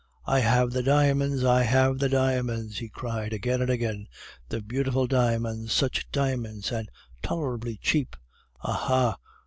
"'I have the diamonds! I have the diamonds!' he cried again and again, 'the beautiful diamonds! such diamonds! and tolerably cheaply. Aha!